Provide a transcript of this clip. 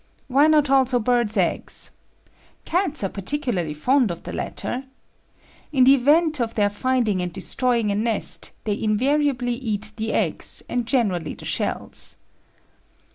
Why not also birds' eggs? Cats are particularly fond of the latter. In the event of their finding and destroying a nest, they invariably eat the eggs, and generally the shells.